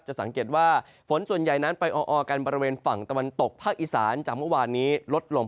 สังเกตว่าฝนส่วนใหญ่นั้นไปออกันบริเวณฝั่งตะวันตกภาคอีสานจากเมื่อวานนี้ลดลง